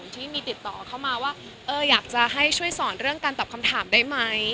ที่มีติดต่อเข้ามาว่าอยากจะให้ช่วยสอนเรื่องการตอบคำถามได้ไหม